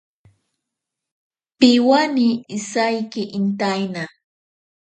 Piwane isaiki intaina.